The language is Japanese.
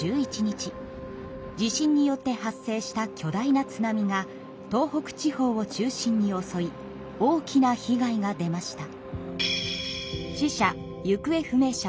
地震によって発生した巨大な津波が東北地方を中心におそい大きな被害が出ました。